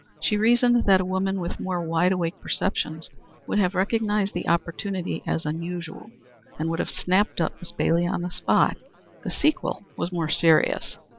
She reasoned that a woman with more wide awake perceptions would have recognized the opportunity as unusual, and would have snapped up Miss Bailey on the spot. The sequel was more serious.